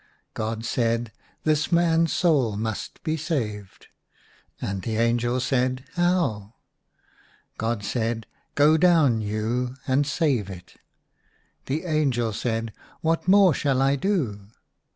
God said, " This man's soul must be saved." And the angel said " How ?" IN A RUINED CHAPEL. 107 God said, "Go down you, and save It. The angel said, "What more shall I do?"